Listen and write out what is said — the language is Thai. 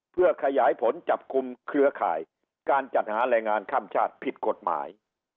เพื่อขยายผลจับกลุ่มเครือข่ายการจัดหาแรงงานข้ามชาติผิดกฎหมาย